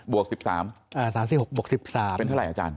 ๓๖บวก๑๓เป็นเท่าไหรอาจารย์